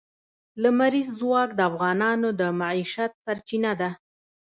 لمریز ځواک د افغانانو د معیشت سرچینه ده.